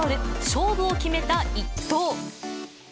勝負を決めた一投。